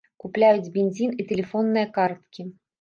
Купляюць бензін і тэлефонныя карткі.